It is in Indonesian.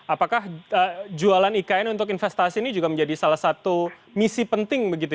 apakah jualan ikn untuk investasi ini juga menjadi salah satu misi penting begitu